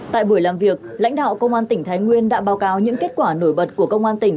tại buổi làm việc lãnh đạo công an tỉnh thái nguyên đã báo cáo những kết quả nổi bật của công an tỉnh